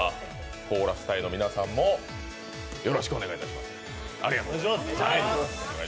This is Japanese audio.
コーラス隊の皆さんもよろしくお願いします。